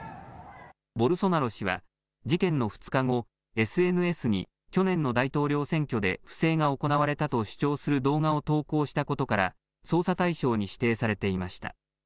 ボルソナロ氏は事件の２日後、ＳＮＳに去年の大統領選挙で不正が行われたと主張する動画を投稿したことから捜査対象に指定されていました。